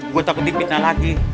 gua takut dipitnah lagi